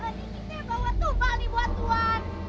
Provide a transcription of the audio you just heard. ini kita bawa tumba nih buat tuan